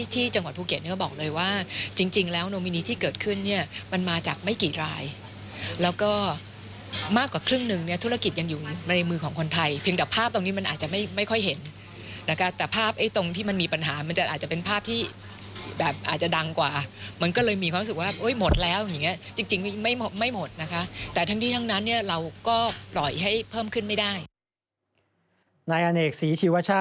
ที่จังหวัดภูเกษก็บอกเลยว่าจริงแล้วโนมินีที่เกิดขึ้นเนี่ยมันมาจากไม่กี่รายแล้วก็มากกว่าครึ่งหนึ่งเนี่ยธุรกิจยังอยู่ในมือของคนไทยเพียงแต่ภาพตรงนี้มันอาจจะไม่ค่อยเห็นนะคะแต่ภาพไอ้ตรงที่มันมีปัญหามันจะอาจจะเป็นภาพที่แบบอาจจะดังกว่ามันก็เลยมีความรู้สึกว่าเฮ้ยหมดแล้วอย